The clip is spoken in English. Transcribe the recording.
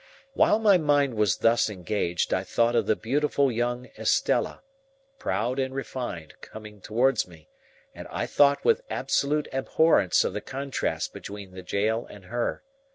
While my mind was thus engaged, I thought of the beautiful young Estella, proud and refined, coming towards me, and I thought with absolute abhorrence of the contrast between the jail and her.